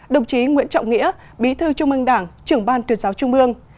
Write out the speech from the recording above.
đồng chí nguyễn trọng nghĩa bí thư trung ương đảng trưởng ban tuyên giáo trung ương